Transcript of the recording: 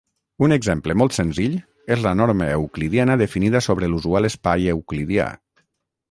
Un exemple molt senzill és la norma euclidiana definida sobre l'usual espai euclidià.